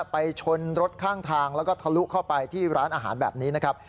ไปชนรถข้างทางแล้วก็ทะลุเข้าไปที่ร้านอาหารแบบนี้นะครับ